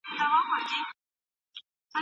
ستونزې باید حل سي.